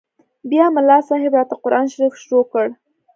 بيا ملا صاحب راته قران شريف شروع کړ.